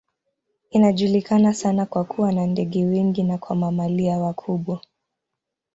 Inajulikana sana kwa kuwa na ndege wengi na kwa mamalia wakubwa.